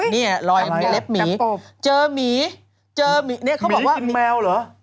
นี่รอยมีเล็บหมีเจอหมีเจอหมีเนี่ยเขาบอกว่าแมวเหรอ